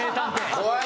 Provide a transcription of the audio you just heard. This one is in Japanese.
怖い。